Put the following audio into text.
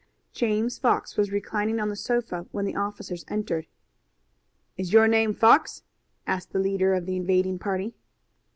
James Fox was reclining on the sofa when the officers entered. "Is your name Fox?" asked the leader of the invading party.